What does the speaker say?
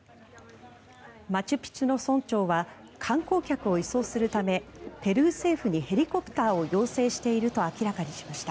マチュピチュの村長は観光客を移送するためペルー政府にヘリコプターを要請していると明らかにしました。